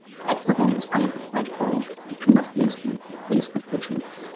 Actual damages are not required for a prima facie case of battery.